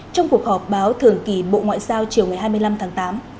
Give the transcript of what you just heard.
trong cuộc họp báo thường kỳ bộ ngoại giao chiều hai mươi năm tháng tám